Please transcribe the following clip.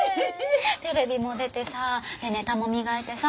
テレビも出てさでネタも磨いてさ